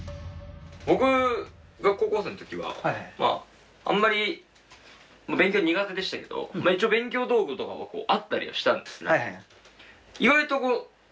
僕が高校生ん時はまああんまり勉強苦手でしたけど一応勉強道具とかはあったりはしたんですね。